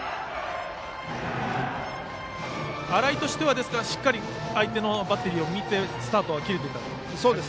新井としてはしっかり相手のバッテリーを見てスタートは切れていたということですかね。